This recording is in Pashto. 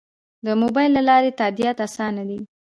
د موبایل له لارې تادیات اسانه دي؟